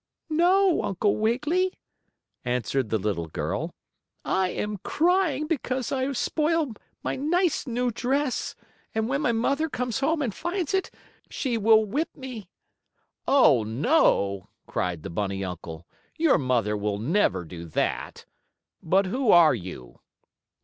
"No, Uncle Wiggily," answered the little girl. "I am crying because I have spoiled my nice new dress, and when my mother comes home and finds it out she will whip me." "Oh, no!" cried the bunny uncle. "Your mother will never do that. But who are you?"